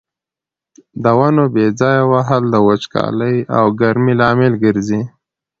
د ونو بې ځایه وهل د وچکالۍ او ګرمۍ لامل ګرځي.